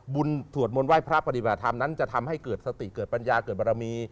สวดมนต์ไห้พระปฏิบัติธรรมนั้นจะทำให้เกิดสติเกิดปัญญาเกิดบรมี